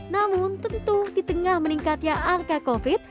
namun tentu di tengah meningkatnya angka covid